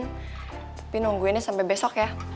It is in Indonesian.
tapi nungguinnya sampai besok ya